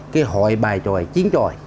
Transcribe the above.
cái hội bài tròi chiến tròi